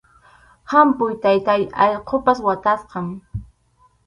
¡Hampuy, taytáy, allqupas watasqam!